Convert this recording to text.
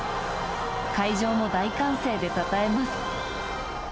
会場も大歓声でたたえます。